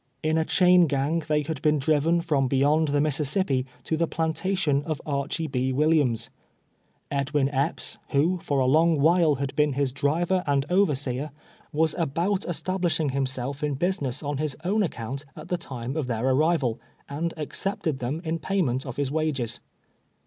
In a chain gang they had been driven from beyond the Mississippi to the plan tation of Archy B, AVilliams, Edwin Ej^ps, who, for a long %vliile had been his driver and overseer, was about establishing himself in business on his own ac count, at the time of their arrival, and accepted them in payment of his wages.